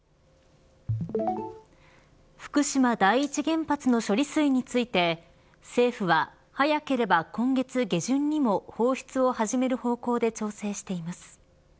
福島第一原発の処理水について政府は、早ければ今月下旬にも放出を始める方向で調整しています。